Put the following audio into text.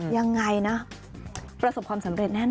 ยังไงนะประสบความสำเร็จแน่น